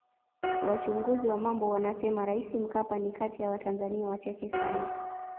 Wachunguzi wa mambo wanasema Rais Mkapa ni kati ya watanzania wachache sana